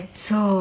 そう。